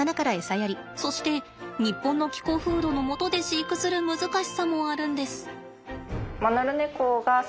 そして日本の気候風土のもとで飼育する難しさもあるんです。